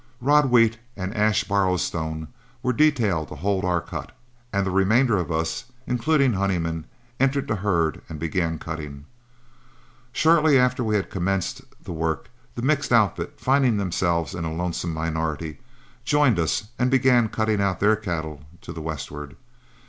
Rod Wheat and Ash Borrowstone were detailed to hold our cut, and the remainder of us, including Honeyman, entered the herd and began cutting. Shortly after we had commenced the work, the mixed outfit, finding themselves in a lonesome minority, joined us and began cutting out their cattle to the westward.